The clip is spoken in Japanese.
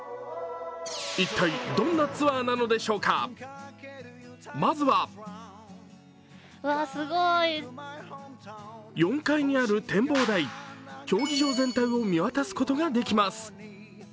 一体、どんなツアーなんでしょうかまずは４階にある展望台、競技場全体を見渡すことができます。